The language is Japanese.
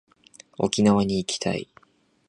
沖縄に行きたい